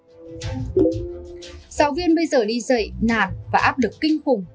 giáo viên bây giờ đi dạy nạt và áp lực kinh khủng